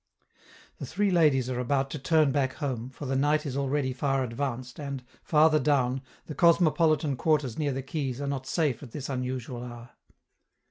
The three ladies are about to turn back home, for the night is already far advanced and, farther down, the cosmopolitan quarters near the quays are not safe at this unusual hour.